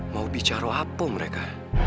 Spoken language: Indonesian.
mau bicara apa mereka